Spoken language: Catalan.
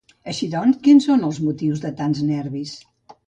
Així, doncs, quins són els motius de tants nervis?